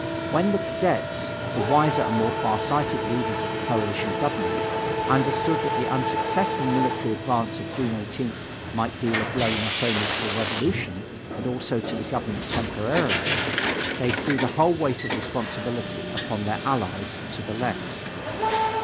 When the Cadets, the wiser and more far sighted leaders of the coalition government, understood that the unsuccessful military advance of June 18th might deal a blow not only to the revolution, but also to the government temporarily, they threw the whole weight of responsibility upon their allies to the left.